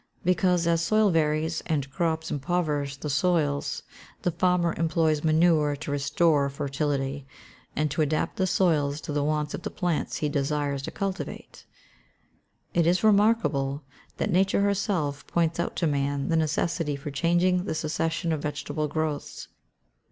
_ Because, as soils vary, and crops impoverish the soils, the farmer employs manure to restore fertility, and to adapt the soils to the wants of the plants he desires to cultivate. It is remarkable that Nature herself points out to man the necessity for changing the succession of vegetable growths.